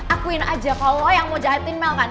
akuin aja kalau lo yang mau jahetin mel kan